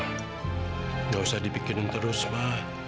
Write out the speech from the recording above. nggak usah dibikinin terus ma